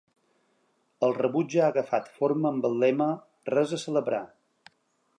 El rebuig ha agafat forma amb el lema ‘res a celebrar’.